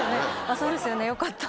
そうですよねよかった。